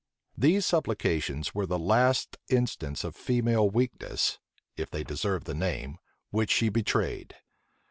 These supplications were the last instance of female weakness (if they deserve the name) which she betrayed.